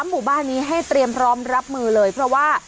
หมู่บ้านนี้ให้เตรียมพร้อมรับมือเลยเพราะว่า